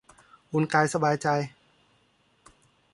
อุ่นกายสบายใจ